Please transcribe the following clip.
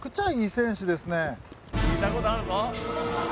「聞いた事あるぞ」